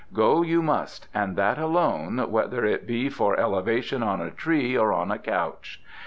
Go you must, and that alone, whether it be for elevation on a tree or on a couch.